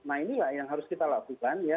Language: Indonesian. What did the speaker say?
nah inilah yang harus kita lakukan ya